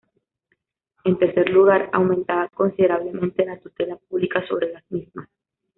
En tercer lugar, aumentaba considerablemente la tutela pública sobre las mismas.